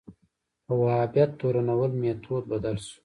په وهابیت تورنول میتود بدل شو